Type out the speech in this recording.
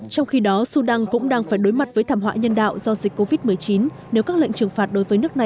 trong khi đó sudan cũng đang phải đối mặt với thảm họa nhân đạo do dịch covid một mươi chín